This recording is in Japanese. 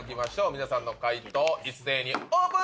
皆さんの解答一斉にオープン！